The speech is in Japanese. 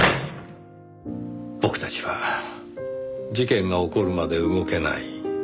僕たちは事件が起こるまで動けない。